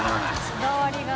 こだわりが。